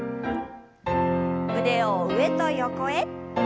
腕を上と横へ。